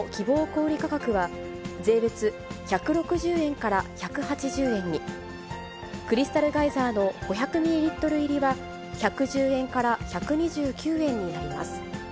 小売り価格は、税別１６０円から１８０円に、クリスタルガイザーの５００ミリリットル入りは、１１０円から１２９円になります。